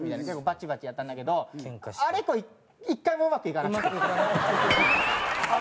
結構バチバチやったんだけどあれ以降１回もうまくいかなくて。